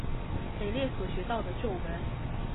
美列所学到的咒文。